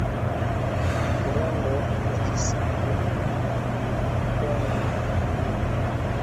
korongo la isimila lina mikondo miwili